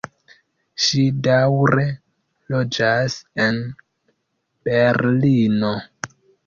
Ŝi daŭre loĝas en Berlino.